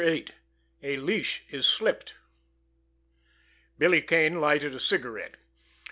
VIII—A LEASH IS SLIPPED Billy Kane lighted a cigarette.